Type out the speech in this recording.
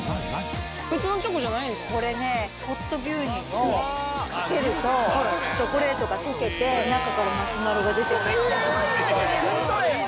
普通のチョコじゃないんですこれね、ホット牛乳をかけると、チョコレートが溶けて、中からマシュマロが出てくる。